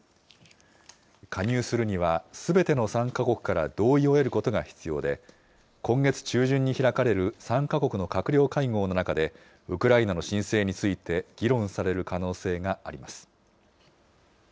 加入するにはすべての参加国から同意を得ることが必要で、今月中旬に開かれる参加国の閣僚会合の中で、ウクライナの申請について議論される可能性があります。